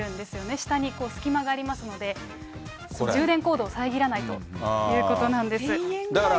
下に隙間がありますので、充電コードを遮らないということなんです。